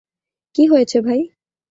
কী হয়েছে ভাই?